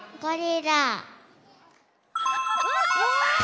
うわ！